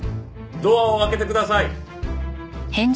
ドアを開けてください。